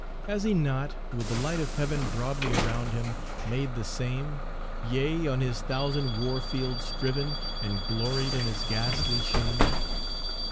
Has he not, with the light of heaven Broadly around him, made the same, Yea, on his thousand war fields striven, And gloried in his ghastly shame?